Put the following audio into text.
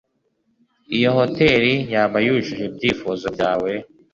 iyo hoteri yaba yujuje ibyifuzo byawe